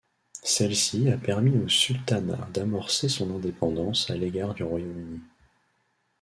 Celle-ci a permis au sultanat d'amorcer son indépendance à l'égard du Royaume-Uni.